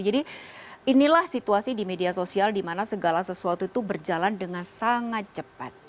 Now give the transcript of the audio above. jadi inilah situasi di media sosial di mana segala sesuatu itu berjalan dengan sangat cepat